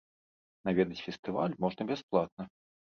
Наведаць фестываль можна бясплатна.